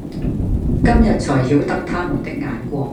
今天纔曉得他們的眼光，